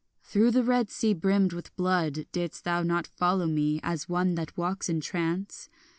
Through the red sea brimmed with blood didst thou not follow me, As one that walks in trance?